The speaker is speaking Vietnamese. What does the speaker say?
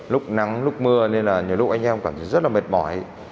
lúc nắng lúc mưa nên là nhiều lúc anh em cảm thấy rất là mệt mỏi